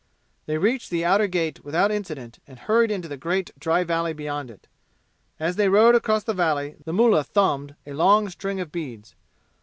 They reached the outer gate without incident and hurried into the great dry valley beyond it. As they rode across the valley the mullah thumbed a long string of beads.